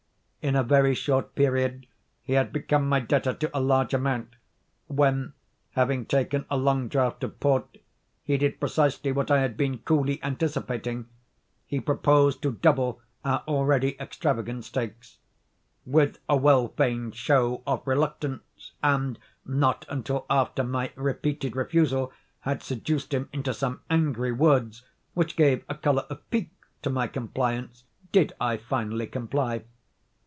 In a very short period he had become my debtor to a large amount, when, having taken a long draught of port, he did precisely what I had been coolly anticipating—he proposed to double our already extravagant stakes. With a well feigned show of reluctance, and not until after my repeated refusal had seduced him into some angry words which gave a color of pique to my compliance, did I finally comply.